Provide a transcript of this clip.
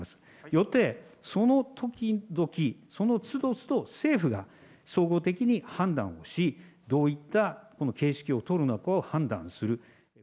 よって、その時々、その都度都度、政府が総合的に判断をし、どういったこの形式を取るのかを判断する。